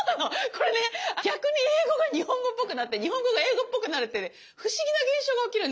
これね逆に英語が日本語っぽくなって日本語が英語っぽくなるってね不思議な現象が起きるんです。